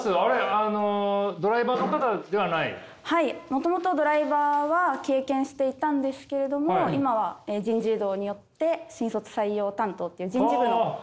もともとドライバーは経験していたんですけれども今は人事異動によって新卒採用担当っていう人事部の方で。